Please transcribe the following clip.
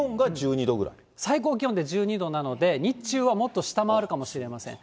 最高気温で１２度なので、日中はもっと下回るかもしれません。